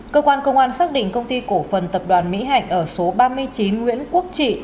cơ quan công an xác định công ty cổ phần tập đoàn mỹ hạnh ở số ba mươi chín nguyễn quốc trị